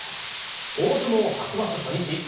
大相撲初場所初日。